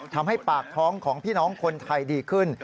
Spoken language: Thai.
ทำให้ปากท้องของพี่น้องคนไทยดีขึ้น